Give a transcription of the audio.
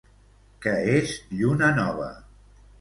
Què és Lluna nova?